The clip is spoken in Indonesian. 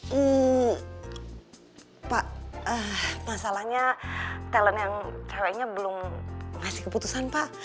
hmm pak masalahnya talent yang kayaknya belum ngasih keputusan pak